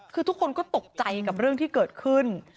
คือทุกคนก็ตกใจกับเรื่องที่เกิดขึ้น